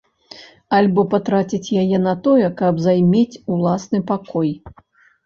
Альбо, патраціць яе на тое, каб займець уласны пакой.